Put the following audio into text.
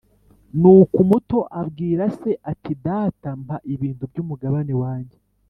Nuko umuto abwira se ati “data mpa ibintu by’umugabane wanjye”.